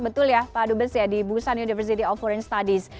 betul ya pak dubes ya di busan university of foreig studies